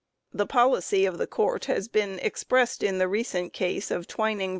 The policy of the Court has been expressed in the recent case of Twining v.